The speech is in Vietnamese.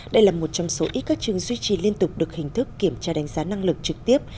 đây là một trong số ít các trường duy trì liên tục được hình thức kiểm tra đánh giá năng lực trực tiếp